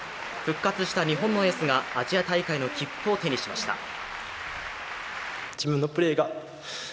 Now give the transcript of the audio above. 復活した日本のエースがアジア大会の切符を手にしました。